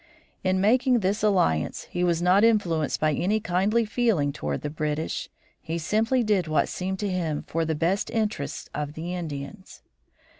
In making this alliance he was not influenced by any kindly feeling toward the British. He simply did what seemed to him for the best interests of the Indians.